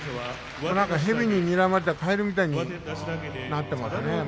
蛇ににらまれたかえるみたいになっていますね。